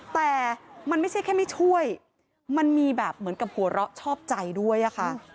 แต่มันไม่ใช่แค่ไม่ช่วยมันมีแบบเหมือนกับหัวเราะชอบใจด้วยอะค่ะ